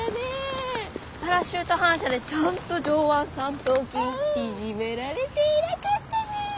パラシュート反射でちゃんと上腕三頭筋縮められて偉かったね。